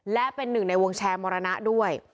และเป็นหนึ่งในวงแชร์มรณะด้วย